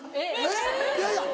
えっいやいや